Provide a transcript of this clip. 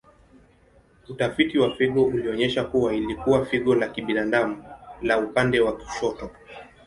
Utafiti wa figo ulionyesha kuwa ilikuwa figo la kibinadamu la upande wa kushoto.